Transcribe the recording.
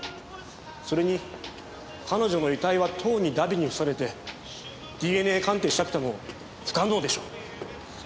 それに彼女の遺体はとうに荼毘に付されてＤＮＡ鑑定したくても不可能でしょ。